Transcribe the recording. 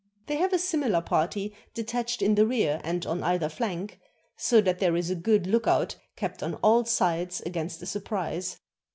They have a similar party detached in the rear and on either flank, so that there is a good lookout kept on all sides against a surprise.